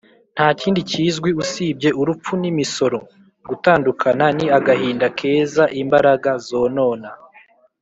ntakindi kizwi usibye urupfu n'imisoro. gutandukana ni agahinda keza imbaraga zonona;